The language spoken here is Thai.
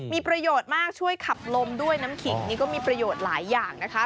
มีประโยชน์มากช่วยขับลมด้วยน้ำขิงนี่ก็มีประโยชน์หลายอย่างนะคะ